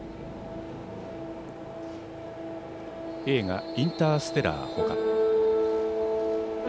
映画「インターステラー」ほか。